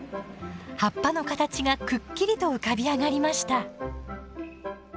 葉っぱの形がくっきりと浮かび上がりました。